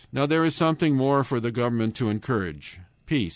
Now there is something more for the government to encourage peace.